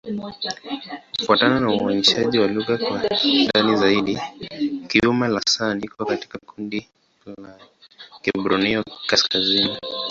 Kufuatana na uainishaji wa lugha kwa ndani zaidi, Kiuma'-Lasan iko katika kundi la Kiborneo-Kaskazini.